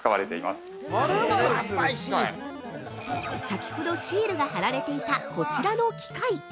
先ほどシールが貼られていたこちらの機械。